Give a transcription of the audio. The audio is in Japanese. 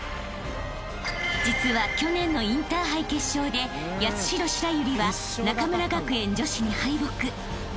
［実は去年のインターハイ決勝で八代白百合は中村学園女子に敗北］